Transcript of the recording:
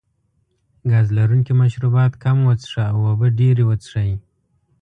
ګاز لرونکي مشروبات کم وڅښه او اوبه ډېرې وڅښئ.